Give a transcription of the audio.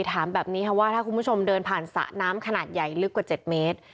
ถามแบบนี้ค่ะว่าถ้าคุณผู้ชมเดินผ่านสระน้ำขนาดใหญ่ลึกกว่า๗เมตร